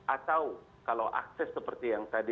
atau kalau akses seperti yang tadi